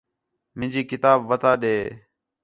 مینجی کتاب وَتا ݙے